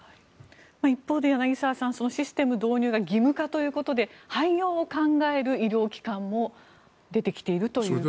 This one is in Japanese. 一方で、柳澤さんシステム導入が義務化ということで廃業を考える医療機関も出てきているということです。